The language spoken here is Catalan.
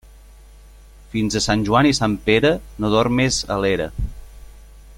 Fins a Sant Joan i Sant Pere, no dormes a l'era.